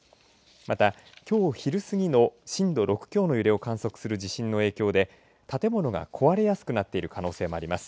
また、きょう昼過ぎの震度６強の揺れを観測する地震の影響で建物が壊れやすくなっている可能性もあります。